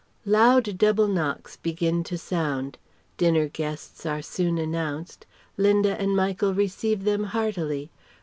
Loud double knocks begin to sound. Dinner guests are soon announced. Linda and Michael receive them heartily.